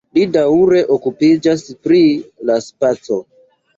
Li daŭre okupiĝas pri la spaco.